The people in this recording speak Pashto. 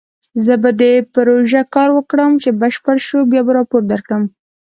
زه به په دې پروژه کار وکړم، چې بشپړ شو بیا به راپور درکړم